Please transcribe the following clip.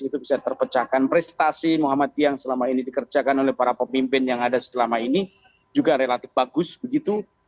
itu bisa terpecahkan prestasi muhammadiyah selama ini dikerjakan oleh para pemimpin yang ada selama ini juga relatif bagus begitu